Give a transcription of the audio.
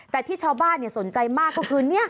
แต่ที่ชาวบ้านสนใจมากก็คือ